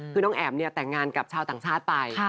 คือน้องแอ๋มแต่งงานกับชาวต่างชาติไป